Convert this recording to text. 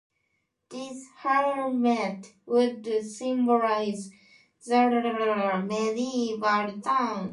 This helmet would symbolize the fortified medieval town.